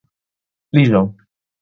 立榮